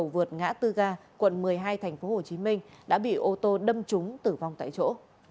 vượt ngã tư ga quận một mươi hai tp hcm đã bị ô tô đâm trúng tử vong tại chỗ